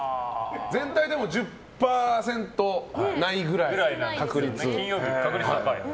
全体でも１０％ないくらいの確率。